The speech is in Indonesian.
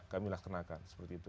kami laksanakan seperti itu